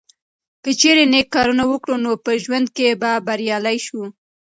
که چیرې نیک کارونه وکړو نو په ژوند کې به بریالي شو.